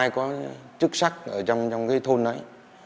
chức sắc ở trong cái thôn đấy